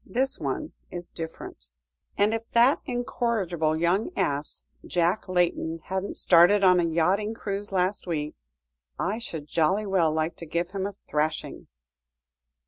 This one is different. And if that incorrigible young ass, Jack Layton, hadn't started on a yachting cruise last week, I should jolly well like to give him a thrashing."